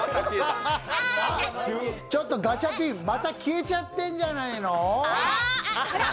ちょっとガチャピンまた消えちゃってんじゃないの。